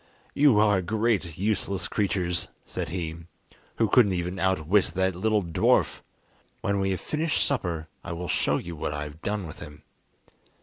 "You are great useless creatures," said he, "who couldn't even outwit that little dwarf. When we have finished supper I will show you what I have done with him!"